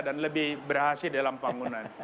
dan lebih berhasil dalam pembangunan